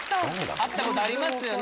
会ったことありますよね。